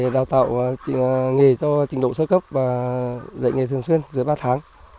đào tạo nghề cho trình độ sơ cấp và dạy nghề thường xuyên dưới ba tháng